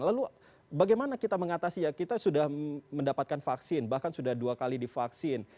lalu bagaimana kita mengatasi ya kita sudah mendapatkan vaksin bahkan sudah dua kali divaksin